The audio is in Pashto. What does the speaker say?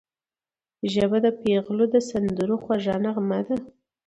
ژبه د پېغلو د سندرو خوږه نغمه ده